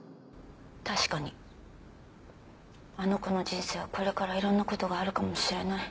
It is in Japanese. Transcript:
確かにあの子の人生はこれからいろんな事があるかもしれない。